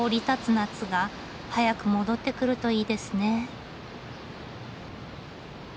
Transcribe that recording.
夏が早く戻ってくるといいですね。